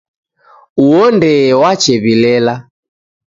Uwo ndee wachew'ilela